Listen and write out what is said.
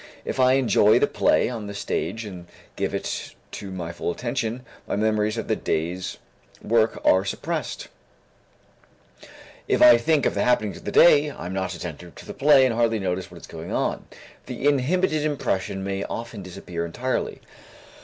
If I enjoy the play on the stage and give to it my full attention, my memories of the day's work are suppressed; if I think of the happenings of the day, I am not attentive to the play and hardly notice what is going on. The inhibited impression may often disappear entirely.